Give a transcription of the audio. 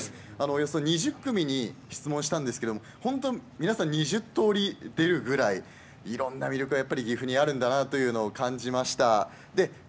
およそ２０組に質問したんですけど本当に皆さん２０とおり出るぐらいいろんな魅力がやっぱり岐阜にあるんだなというのを感じました。